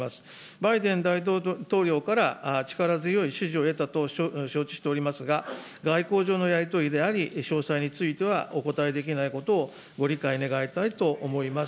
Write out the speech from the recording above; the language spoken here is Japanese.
バイデン大統領から力強い支持を得たと承知しておりますが、外交上のやり取りであり、詳細についてはお答えできないことをご理解願いたいと思います。